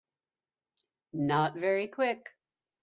Not very Quick